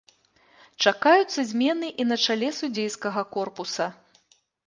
Чакаюцца змены і на чале судзейскага корпуса.